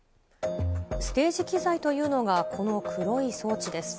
ステージ機材というのが、この黒い装置です。